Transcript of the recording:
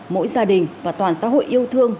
mỗi gia đình và toàn xã hội yêu thương